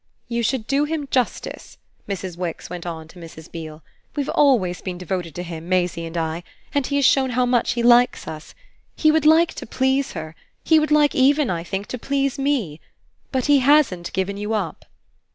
"You should do him justice," Mrs. Wix went on to Mrs. Beale. "We've always been devoted to him, Maisie and I and he has shown how much he likes us. He would like to please her; he would like even, I think, to please me. But he hasn't given you up."